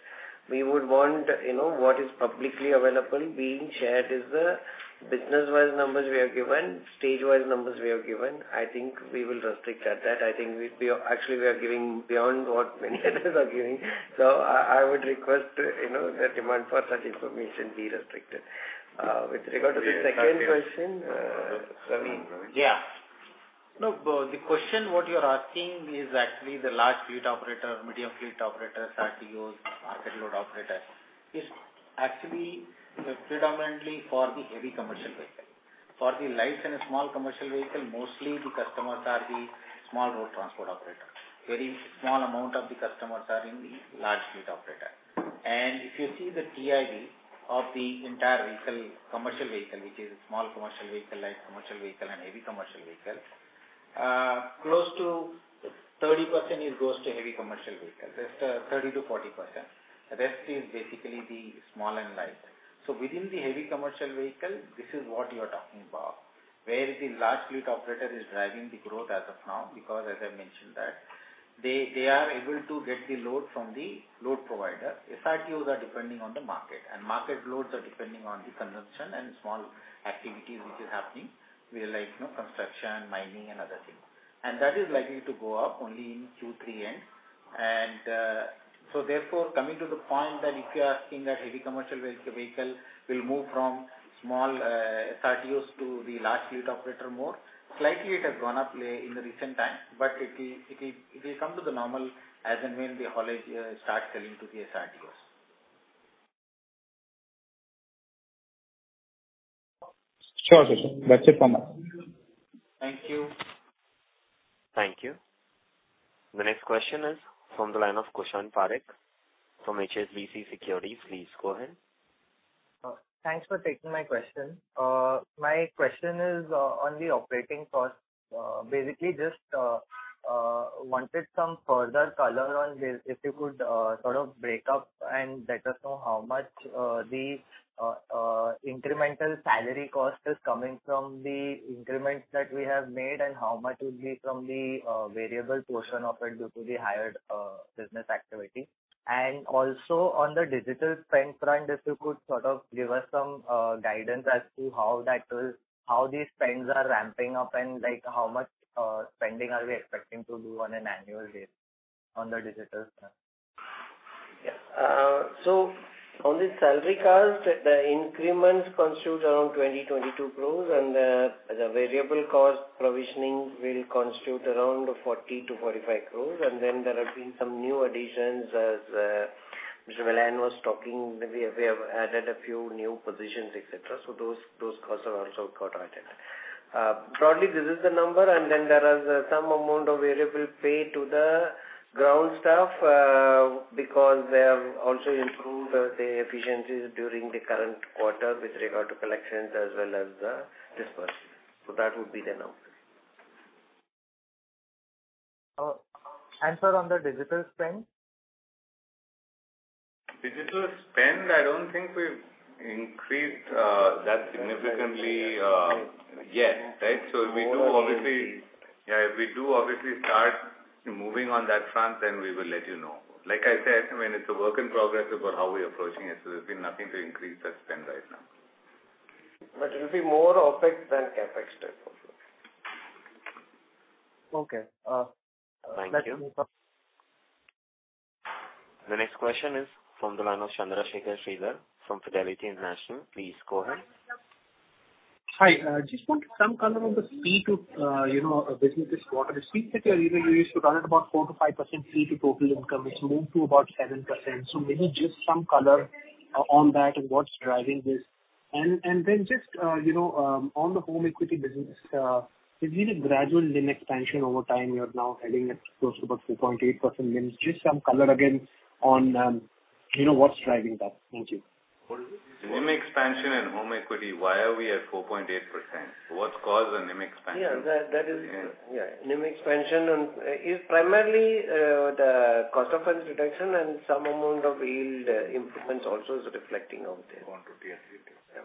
We would want, you know, what is publicly available being shared is the business-wise numbers we have given, stage-wise numbers we have given. I think we will restrict at that. I think we actually are giving beyond what many others are giving. I would request, you know, the demand for such information be restricted. With regard to the second question, Ravindra Kundu. Yeah. No, the question what you're asking is actually the large fleet operator, medium fleet operators start to use market load operators. It's actually predominantly for the heavy commercial vehicle. For the light and a small commercial vehicle, mostly the customers are the small road transport operators. Very small amount of the customers are in the large fleet operator. If you see the TIV of the entire vehicle, commercial vehicle, which is a small commercial vehicle, light commercial vehicle, and heavy commercial vehicle, close to 30% it goes to heavy commercial vehicle. That's 30%-40%. The rest is basically the small and light. Within the heavy commercial vehicle, this is what you are talking about, where the large fleet operator is driving the growth as of now because as I mentioned that they are able to get the load from the load provider. SRTOs are depending on the market and market loads are depending on the consumption and small activities which is happening where like, you know, construction, mining and other things. That is likely to go up only in Q3 end. Therefore coming to the point that if you are asking that heavy commercial vehicle will move from small SRTOs to the large fleet operator more, slightly it has gone up late, in the recent time, but it will come to the normal as and when the haulage starts selling to the SRTOs. Sure, sir. That's it from us. Thank you. Thank you. The next question is from the line of Kushan Parikh from HSBC Securities. Please go ahead. Thanks for taking my question. My question is on the operating cost. wanted some further color on this. If you could sort of break down and let us know how much the incremental salary cost is coming from the increments that we have made and how much would be from the variable portion of it due to the higher business activity. Also on the digital spend front, if you could sort of give us some guidance as to how these spends are ramping up and like how much spending we are expecting to do on an annual basis on the digital spend? Yeah. On the salary cost, the increments constitute around 22 crore, and the variable cost provisioning will constitute around 40 crore-45 crore. There have been some new additions as Mr. Vellayan was talking. We have added a few new positions, et cetera. Those costs have also got added. Broadly this is the number and then there is some amount of variable pay to the ground staff, because they have also improved the efficiencies during the current quarter with regard to collections as well as the disbursements. That would be the numbers. Sir, on the digital spend? Digital spend, I don't think we've increased that significantly yet, right. If we do obviously. Yeah, if we do obviously start moving on that front, then we will let you know. Like I said, I mean, it's a work in progress about how we're approaching it. There's been nothing to increase that spend right now. It will be more OpEx than CapEx type of work. Okay. That's Thank you. The next question is from the line of Chandrasekhar Sridhar from Fidelity International. Please go ahead. Hi. Just want some color on the fee to business this quarter. The fee that you're using, you used to run at about 4%-5% fee to total income. It's moved to about 7%. Maybe just some color on that and what's driving this. Then just, you know, on the home equity business, we've seen a gradual NIM expansion over time. You're now heading at close to about 4.8% NIM. Just some color again on, you know, what's driving that. Thank you. NIM expansion and home equity. Why are we at 4.8%? What's caused the NIM expansion? Yeah. That is Yeah. Yeah. NIM expansion is primarily the cost of funds reduction and some amount of yield improvements also is reflecting out there. one, two, three. Yeah.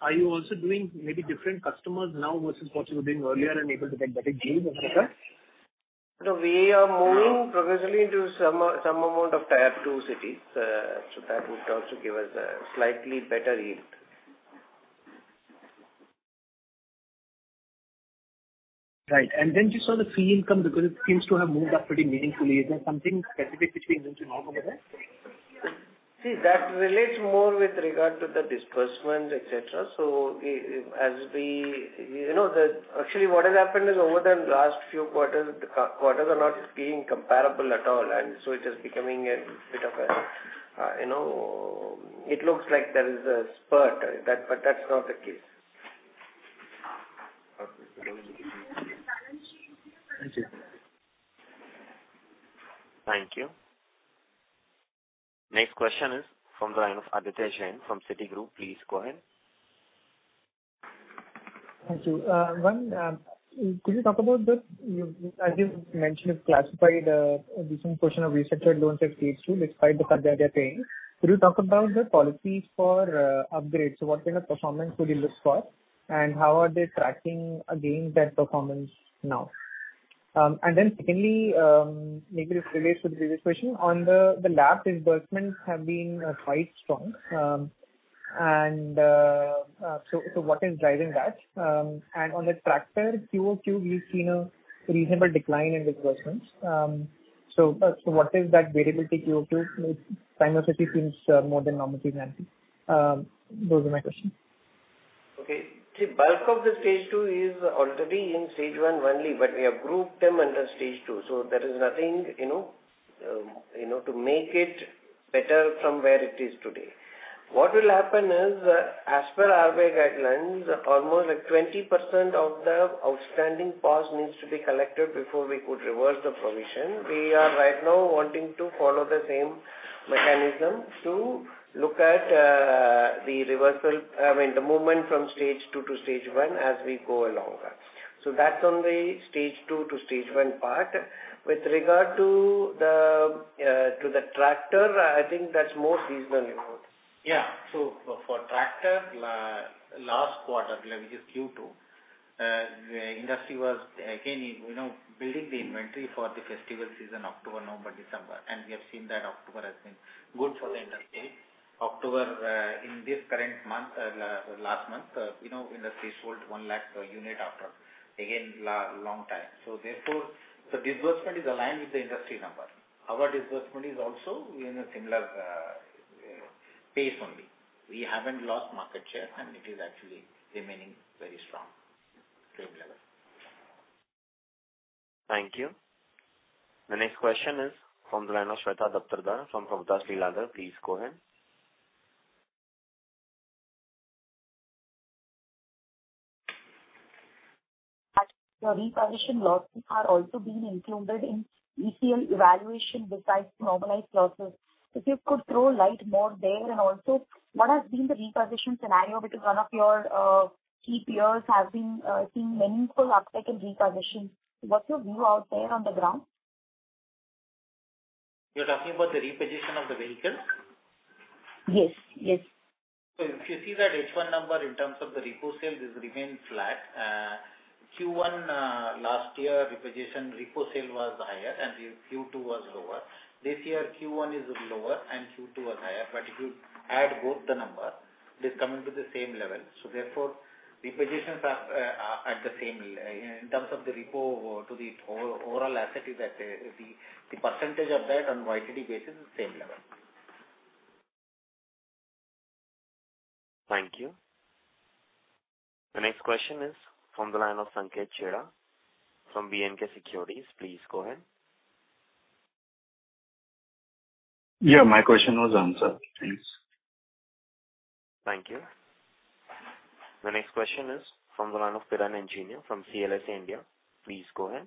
Are you also doing maybe different customers now versus what you were doing earlier and able to get better deals or something? No. We are moving progressively into some amount of Tier II cities. So that would also give us a slightly better yield. Right. Just on the fee income, because it seems to have moved up pretty meaningfully. Is there something specific which we need to know about that? See, that relates more with regard to the disbursements, et cetera. Actually what has happened is over the last few quarters, the quarters are not being comparable at all. It is becoming a bit of a, you know. It looks like there is a spurt, that, but that's not the case. Okay. Thank you. Next question is from the line of Aditya Jain from Citigroup. Please go ahead. Thank you. Could you talk about the. You, Aditya mentioned you've classified a decent portion of restructured loans as Stage 2, despite the fact that they are paying. Could you talk about the policies for upgrades? What kind of performance would you look for, and how are they tracking against that performance now? Secondly, maybe this relates to the previous question. On the LAP disbursements have been quite strong. What is driving that? On the tractor, QoQ, we've seen a reasonable decline in disbursements. What is that variability QoQ? Maybe temporary seems more than normal. Those are my questions. Okay. See, bulk of the Stage 2 is already in Stage 1 only, but we have grouped them under Stage 2. There is nothing, you know, you know, to make it better from where it is today. What will happen is, as per RBI guidelines, almost like 20% of the outstanding funds needs to be collected before we could reverse the provision. We are right now wanting to follow the same mechanism to look at, the reversal, I mean, the movement from Stage 2 to Stage 1 as we go along. That's on the Stage 2 to Stage 1 part. With regard to the tractor, I think that's more seasonal. Yeah. For tractor last quarter, which is Q2, the industry was again, you know, building the inventory for the festival season, October, November, December. We have seen that October has been good for the industry. October, last month, you know, industry sold 1 lakh units after a long time. Therefore, the disbursement is aligned with the industry number. Our disbursement is also in a similar pace only. We haven't lost market share, and it is actually remaining very strong frame level. Thank you. The next question is from the line of Shweta Daptardar from Prabhudas Lilladher. Please go ahead. Your reposition losses are also being included in ECL evaluation besides normalized losses. If you could throw light more there, and also what has been the reposition scenario because one of your key peers have been seeing meaningful upside in reposition. What's your view out there on the ground? You're talking about the repossession of the vehicle? Yes. Yes. If you see that H1 number in terms of the repo sale, this remains flat. Q1 last year, reposition repo sale was higher and the Q2 was lower. This year Q1 is lower and Q2 was higher. If you add both the number, this come into the same level. Therefore repositions are at the same in terms of the repo to the overall asset is at the percentage of that on YTD basis is same level. Thank you. The next question is from the line of Sanket Chheda from B&K Securities. Please go ahead. Yeah, my question was answered. Thanks. Thank you. The next question is from the line of Piran Engineer from CLSA India. Please go ahead.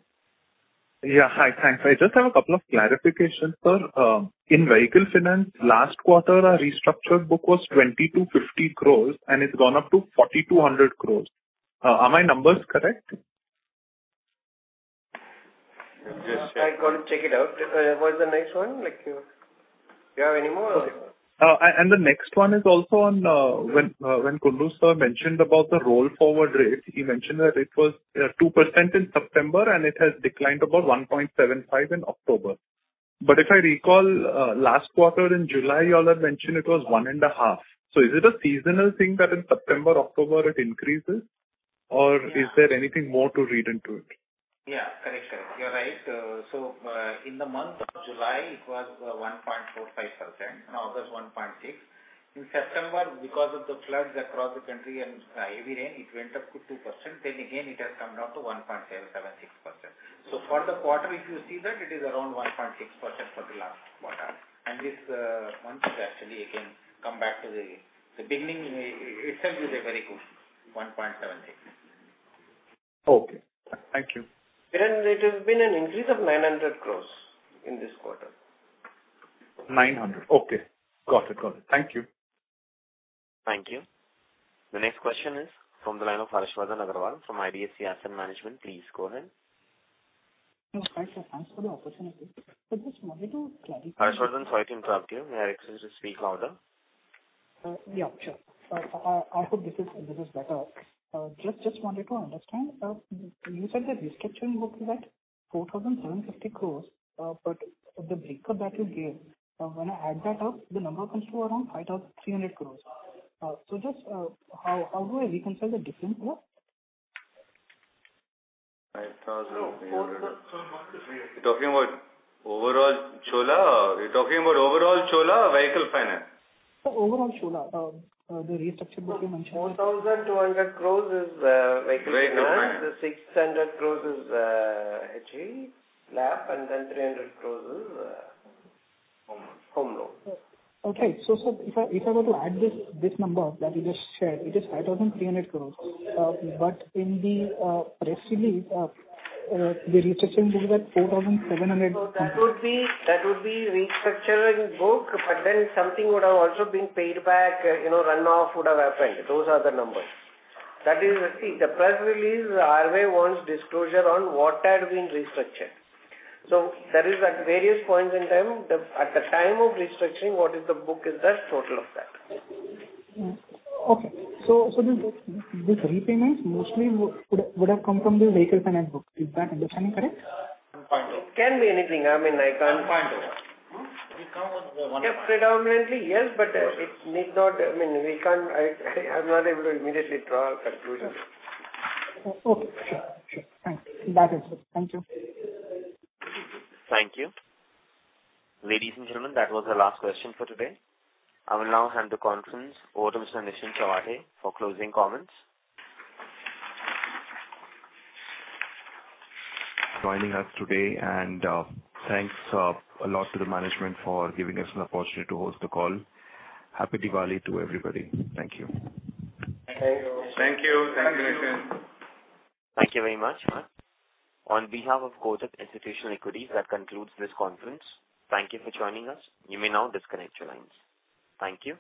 Yeah. Hi. Thanks. I just have a couple of clarifications, sir. In vehicle finance, last quarter our restructured book was 2,250 crore and it's gone up to 4,200 crore. Are my numbers correct? Let me just check. I gotta check it out. What is the next one? Like, you have any more? The next one is also on when Kundu, sir mentioned about the roll forward rates. He mentioned that it was 2% in September and it has declined about 1.75% in October. If I recall, last quarter in July you all had mentioned it was 1.5%. Is it a seasonal thing that in September, October it increases or Yeah. Is there anything more to read into it? Yeah. Correct. You're right. In the month of July it was 1.45%. In August, 1.6%. In September, because of the floods across the country and heavy rain, it went up to 2%. It has come down to 1.776%. For the quarter if you see that, it is around 1.6% for the last quarter. This month is actually again come back to the beginning. It itself is a very good 1.76%. Okay. Thank you. Piran, it has been an increase of 900 crore in this quarter. 900 crore. Okay. Got it. Thank you. Thank you. The next question is from the line of Harshvardhan Agrawal from IDFC Asset Management. Please go ahead. Yes. Hi, sir. Thanks for the opportunity. I just wanted to clarify. Harshvardhan, sorry to interrupt you. You will have to speak louder. Yeah, sure. I hope this is better. Just wanted to understand. You said that restructuring book is at INR 4,750 crore. The breakup that you gave, when I add that up, the number comes to around INR 5,300 crore. Just how do I reconcile the difference, sir? 5,000 crore. You're talking about overall Chola? You're talking about overall Chola or Vehicle Finance? Sir, overall Chola. The restructuring book you mentioned. 4,200 crore is vehicle finance. 600 crore is HE LAP and then 300 crore is home loan. Sir, if I were to add this number that you just shared, it is 5,300 crore. But in the press release, the restructuring book was at 4,700 crore- That would be restructuring book, but then something would have also been paid back, you know, run off would have happened. Those are the numbers. That is, see, the press release anyway wants disclosure on what had been restructured. There is at various points in time. At the time of restructuring, what is the book is the total of that. Okay. These repayments mostly would have come from the vehicle finance book. Is that understanding correct? Can be anything. I mean, I can't. One point o- Hmm? We count on the one point. Yeah. Predominantly, yes, but I mean, we can't. I'm not able to immediately draw a conclusion. Okay. Sure. Thanks. That is it. Thank you. Thank you. Ladies and gentlemen, that was the last question for today. I will now hand the conference over to Mr. Nischint Chawathe for closing comments. Joining us today, thanks a lot to the management for giving us an opportunity to host the call. Happy Diwali to everybody. Thank you. Thank you. Thank you. Thank you, Nischint. Thank you very much. On behalf of Kotak Institutional Equities, that concludes this conference. Thank you for joining us. You may now disconnect your lines. Thank you.